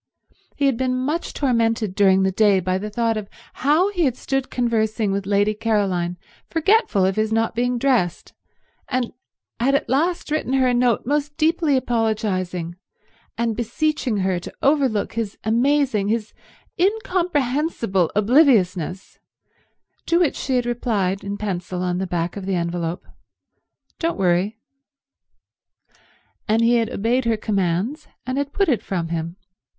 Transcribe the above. He had been much tormented during the day by the thought of how he had stood conversing with Lady Caroline forgetful of his not being dressed, and had at last written her a note most deeply apologizing, and beseeching her to overlook his amazing, his incomprehensible obliviousness, to which she had replied in pencil on the back of the envelop, "Don't worry." And he had obeyed her commands, and had put it from him.